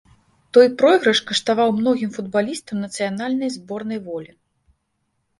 Той пройгрыш каштаваў многім футбалістам нацыянальнай зборнай волі.